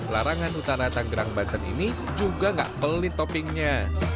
larangan utara tangerang banten ini juga gak pelit toppingnya